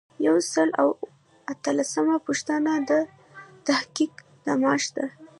یو سل او اتلسمه پوښتنه د تحقیق د معاش ده.